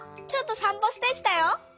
ちょっとさんぽしてきたよ。